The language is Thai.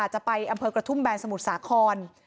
จะไปอำเภอกระทุ่มแบนสมุทรสาคร